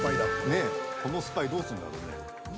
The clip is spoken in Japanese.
このスパイどうするんだろうね。